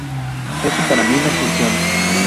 Eso para mí no funciona.